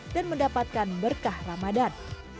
dan mendapatkan berkah ramadan